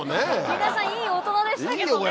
皆さんいい大人でしたけどね。